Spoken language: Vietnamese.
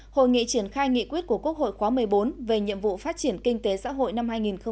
hội nghị triển khai nghị quyết của quốc hội khóa một mươi bốn về nhiệm vụ phát triển kinh tế xã hội năm hai nghìn hai mươi